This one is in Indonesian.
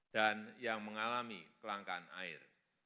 dan yang mengalami kelangkaan air